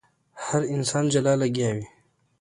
که هر انسان جلا لګيا وي.